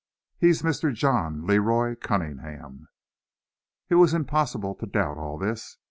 He's Mr. John Le Roy Cunningham." It was impossible to doubt all this.